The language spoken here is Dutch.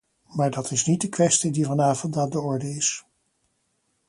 Maar dat is niet de kwestie die vanavond aan de orde is.